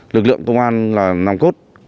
lực lượng công an là nằm cốt